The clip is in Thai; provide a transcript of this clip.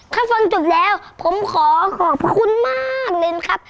ถ้าฟังจบแล้วผมขอขอบคุณมากนินครับ